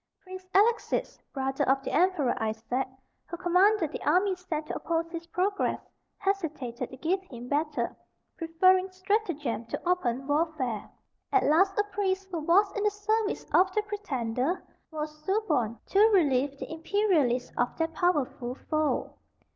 Prince Alexis, brother of the Emperor Isaac, who commanded the army sent to oppose his progress, hesitated to give him battle, preferring stratagem to open warfare. At last a priest, who was in the service of the pretender, was suborned to relieve the imperialists of their powerful foe.